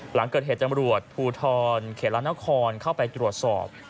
หลังเกิดเหตุจำรวจภูทรเขตละนครเข้าไปตรวจสอบ